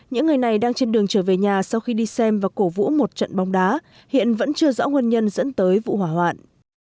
những người này đang trên đường trở về nhà sau khi đi xem và cổ vũ một trận bóng đá hiện vẫn chưa rõ nguyên nhân dẫn tới vụ hỏa hoạn